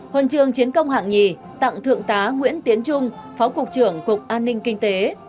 huân trường chiến công hạng nhì tặng thượng tá nguyễn tiến trung phó cục trưởng cục an ninh kinh tế